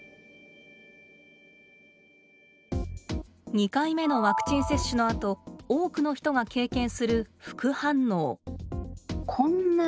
２回目のワクチン接種のあと多くの人が経験する副反応。